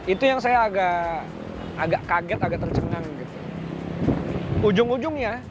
itu yang saya agak kaget agak tercengang gitu